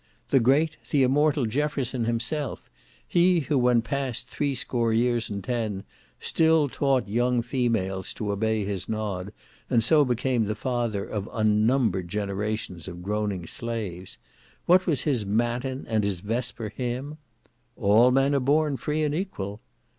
The great, the immortal Jefferson himself, he who when past the three score years and ten, still taught young females to obey his nod, and so became the father of unnumbered generations of groaning slaves, what was his matin and his vesper hymn? "All men are born free and equal."